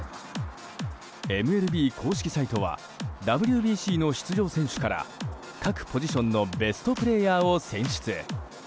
ＭＬＢ公式サイトはＷＢＣの出場選手から各ポジションのベストプレーヤーを選出。